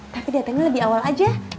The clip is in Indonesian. tapi datangnya lebih awal aja